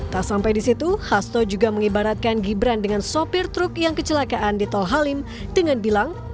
tak sampai di situ hasto juga mengibaratkan gibran dengan sopir truk yang kecelakaan di tol halim dengan bilang